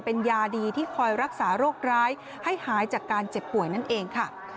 เป็นยาดีที่คอยรักษาโรคร้ายให้หายจากการเจ็บป่วยนั่นเองค่ะ